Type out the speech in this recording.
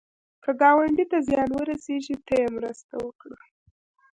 که ګاونډي ته زیان ورسېږي، ته یې مرسته وکړه